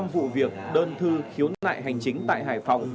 tám mươi vụ việc đơn thư khiếu nại hành chính tại hải phòng